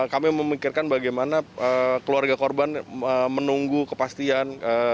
kami memikirkan bagaimana keluarga korban menunggu kepastian